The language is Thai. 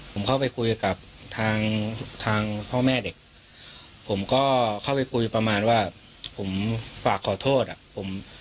ผมเข้าไปคุยกับทางทางพ่อแม่เด็กผมก็เข้าไปคุยประมาณว่าผมฝากขอโทษอ่ะผม